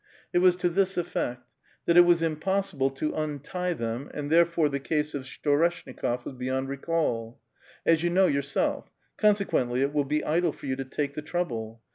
It was to this effect : that it was impossible to untie them, and therefore the case of 8to reshnikof was beyond recall ;" as you know yourself; con sequently it will be idle for you to take the trouble.